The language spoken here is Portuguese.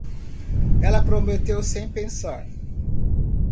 Ela prometeu sem pensar